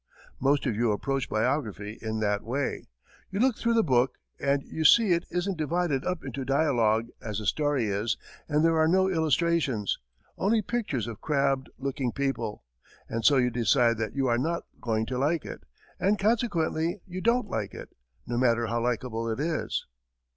Most of you approach biography in that way. You look through the book, and you see it isn't divided up into dialogue, as a story is, and there are no illustrations, only pictures of crabbed looking people, and so you decide that you are not going to like it, and consequently you don't like it, no matter how likeable it is.